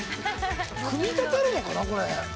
組み立てるのかな、これ。